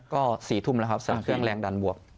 ก็๔ทุ่มแล้วครับใส่เครื่องแรงดันบวก